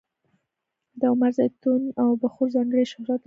د عمان زیتون او بخور ځانګړی شهرت لري.